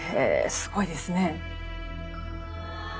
すごいですね。